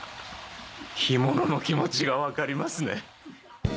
干物の気持ちが分かりますね。